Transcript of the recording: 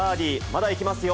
まだいきますよ。